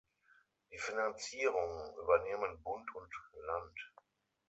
Die Finanzierung übernehmen Bund und Land.